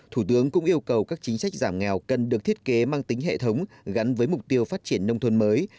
thủ tướng cũng yêu cầu các chính sách giảm nghèo cần được thiết kế mang tính hệ thống gắn với mục tiêu phát triển nông thôn mới